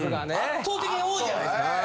圧倒的に多いじゃないですか。